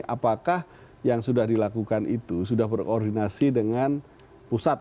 apakah yang sudah dilakukan itu sudah berkoordinasi dengan pusat